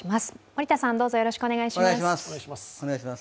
森田さん、どうぞよろしくお願いします。